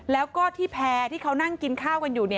แล้วก็ที่แพร่ที่เขานั่งกินข้าวกันอยู่